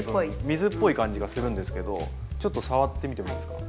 水っぽい感じがするんですけどちょっと触ってみてもいいですか。